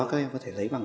các em có thể lấy bằng